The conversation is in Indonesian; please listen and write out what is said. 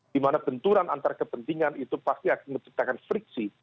dimana benturan antar kepentingan itu pasti akan menciptakan friksi